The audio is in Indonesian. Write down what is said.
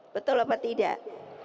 betul apa tidak